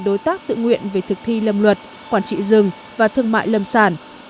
đối tác tự nguyện về thực thi lâm luật quản trị rừng và thương mại lâm sản